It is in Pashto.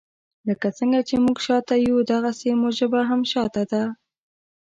لکه څنګه چې موږ شاته یو داغسي مو ژبه هم شاته ده.